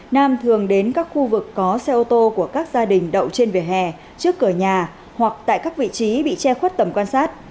nam thường đến các khu vực có xe ô tô của các gia đình đậu trên vỉa hè trước cửa nhà hoặc tại các vị trí bị che khuất tầm quan sát